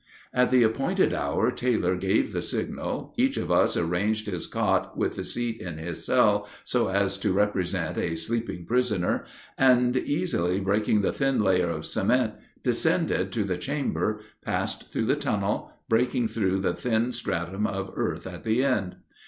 At the appointed hour Taylor gave the signal, each of us arranged his cot with the seat in his cell so as to represent a sleeping prisoner, and, easily breaking the thin layer of cement, descended to the chamber, passed through the tunnel, breaking through the thin stratum of earth at the end.